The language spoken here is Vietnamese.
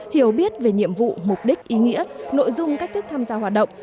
hiểu biết về nhiệm vụ mục đích ý nghĩa nội dung cách thức tham gia hoạt động